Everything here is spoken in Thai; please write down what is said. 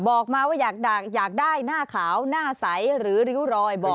บอกมาว่าอยากได้หน้าขาวหน้าใสหรือริ้วรอยบอก